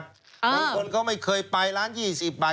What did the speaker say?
บางคนก็ไม่เคยไปร้าน๒๐บาท